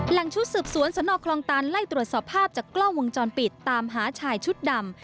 ชุดสืบสวนสนคลองตันไล่ตรวจสอบภาพจากกล้องวงจรปิดตามหาชายชุดดำ